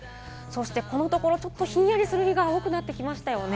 このところ、ちょっとひんやりする日が多くなってきましたよね。